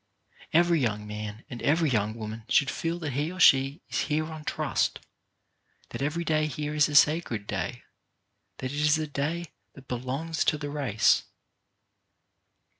Every young man and every young woman should feel that he or she is here on trust, that every day here is a sacred day, that it is a day that belongs to the race.